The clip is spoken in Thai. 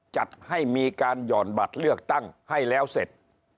จัดให้มีการหย่อนบัตรเลือกตั้งให้แล้วเสร็จ